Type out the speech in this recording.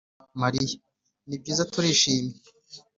mariya: ni byiza, turishimye